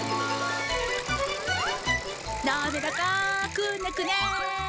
なめらかくねくね。